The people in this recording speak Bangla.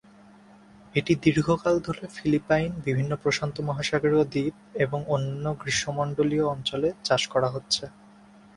এটি দীর্ঘকাল ধরে ফিলিপাইন, বিভিন্ন প্রশান্ত মহাসাগরীয় দ্বীপ এবং অন্যান্য গ্রীষ্মমণ্ডলীয় অঞ্চলে চাষ করা হচ্ছে।